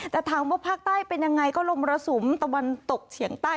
แต่ถามว่าภาคใต้เป็นยังไงก็ลมระสุมตะวันตกเฉียงใต้